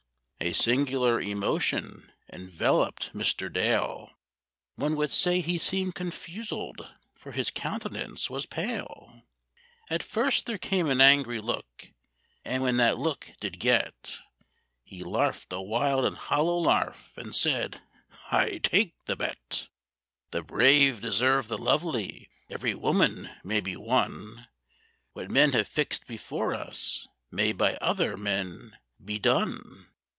A singular emotion enveloped Mr. Dale; One would say he seemed confuseled, for his countenance was pale: At first there came an angry look, and when that look did get, He larft a wild and hollow larf, and said, "I take the debt. "The brave deserve the lovely—every woman may be won; What men have fixed before us may by other men be done.